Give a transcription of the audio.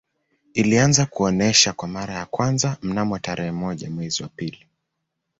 Ilianza kuonesha kwa mara ya kwanza mnamo tarehe moja mwezi wa pili